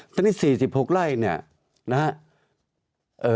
ตอนนี้๔๖ไร่เนี่ยนะฮะ